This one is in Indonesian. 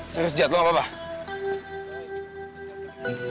serius jahat lu nggak apa apa